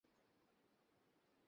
আর কথা বলে মানুষদের নিয়ে।